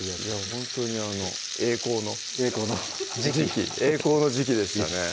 ほんとに栄光の栄光の時期栄光の時期でしたね